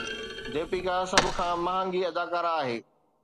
ديپيڪا سڀ کان مهانگي اداڪارا آهي